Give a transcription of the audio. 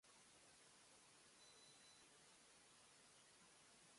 サラゴサ県の県都はサラゴサである